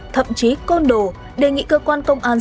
thậm chí côn đồ đề nghị cơ quan công an